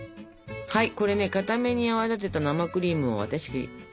はいこれねかために泡立てた生クリームを私用意しておりますから。